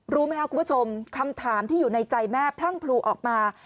รู้ไหมครับคุณผู้ชมคำถามที่อยู่ในใจแม่พลั่งพลูออกมา